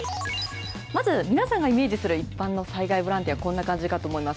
まず、皆さんがイメージする一般の災害ボランティア、こんな感じかと思います。